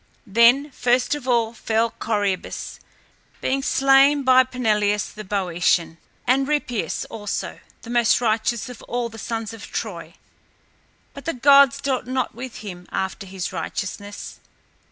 Then first of all fell Corœbus, being slain by Peneleus the Bœotian, and Rhipeus also, the most righteous of all the sons of Troy. But the gods dealt not with him after his righteousness.